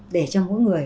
để cho mỗi người